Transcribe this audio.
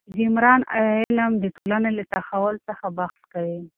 د عمران علم د ټولنې له تحول څخه بحث کوي.